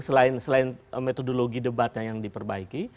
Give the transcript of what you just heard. selain metodologi debatnya yang diperbaiki